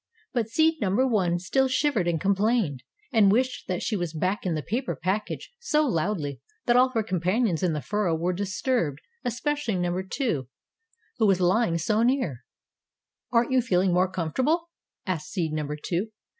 But seed number One still shivered and complained and wished that she was back in the paper package so loudly that all her companions in the furrow were disturbed, especially number Two, who was lying so near. "Aren't you feeling more comfortable?" asked seed number Two.